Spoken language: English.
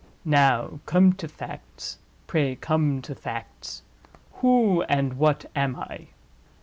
Now come to facts; pray come to facts. Who, and what am I?